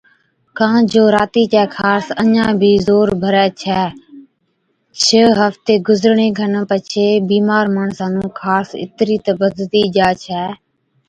ڪان جو راتِي چَي خارس اڃا بِي زور ڀرَي ڇَي۔ ڇه هفتي گُذرڻي کن پڇي بِيمار ماڻسا نُون خارس اِترِي تہ بڌتِي جا ڇَي